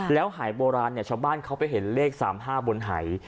แล้วหายโบราณชาวบ้านเขาไปเห็นเลข๓๕บนหาย